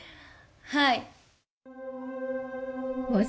はい。